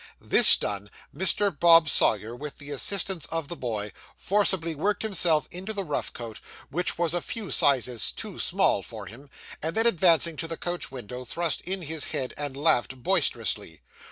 This done, Mr. Bob Sawyer, with the assistance of the boy, forcibly worked himself into the rough coat, which was a few sizes too small for him, and then advancing to the coach window, thrust in his head, and laughed boisterously.